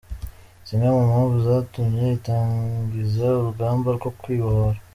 Zimwe mu mpamvu zatumye itangiza urugamba rwo kwibohora